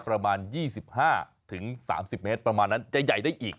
ประมาณ๒๕๓๐เมตรประมาณนั้นจะใหญ่ได้อีก